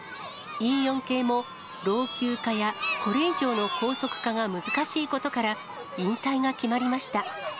Ｅ４系も老朽化やこれ以上の高速化が難しいことから、引退が決まりました。